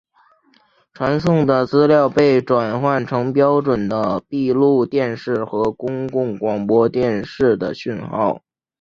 传输的资料被转换成标准的闭路电视和公共广播电视的讯号。